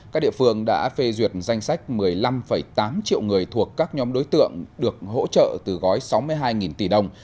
các địa phương đã phê duyệt danh sách một mươi năm tám triệu người thuộc các nhóm đối tượng được hỗ trợ từ gói sáu mươi hai tỷ đồng